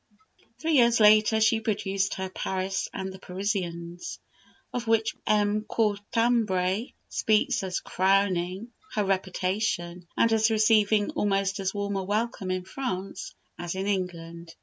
Three years later she produced her "Paris and the Parisians," of which M. Cortambret speaks as "crowning her reputation," and as receiving almost as warm a welcome in France as in England.